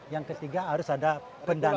yang ketiga harus ada pendanaan